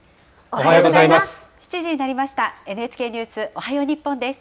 おはようございます。